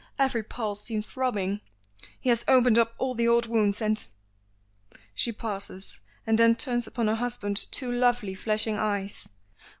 Every pulse seems throbbing. He has opened up all the old wounds, and " She pauses and then turns upon her husband two lovely flashing eyes.